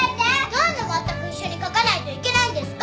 何でまったく一緒に書かないといけないんですか？